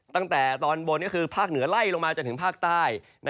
ตั้งแต่ตอนบนก็คือภาคเหนือไล่ลงมาจนถึงภาคใต้